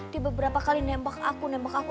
di beberapa kali nembak aku nembak aku